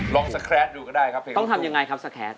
ลองสแคร๊สดูก็ได้ครับเพลงลูกทุ่งต้องทำอย่างไรครับสแคร๊ส